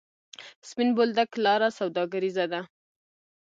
سپین بولدک لاره سوداګریزه ده؟